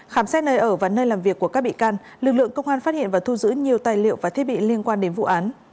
khám xét nơi ở và nơi làm việc của các bị can lực lượng công an phát hiện và thu giữ nhiều tài liệu và thiết bị liên quan đến vụ án